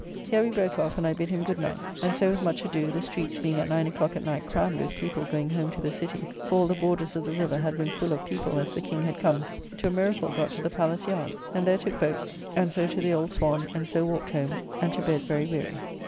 Here we broke off, and I bid him good night, and so with much ado, the streets being at nine o'clock at night crammed with people going home to the city, for all the borders of the river had been full of people, as the King had come, to a miracle got to the Palace Yard, and there took boat, and so to the Old Swan, and so walked home, and to bed very weary.